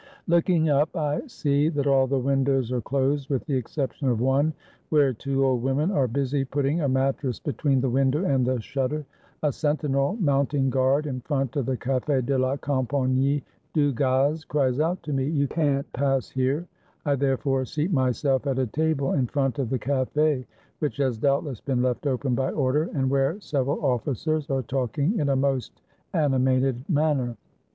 Look ing up, I see that all the windows are closed, with the exception of one, where two old women are busy putting a mattress between the window and the shutter. A sen tinel, mounting guard in front of the Cafe de la Com pagnie du Gaz, cries out to me, "You can't pass here!" I therefore seat myself at a table in front of the cafe, which has doubtless been left open by order, and where several ofl&cers are talking in a most animated manner.